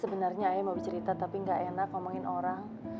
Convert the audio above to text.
sebenernya saya mau cerita tapi gak enak ngomongin orang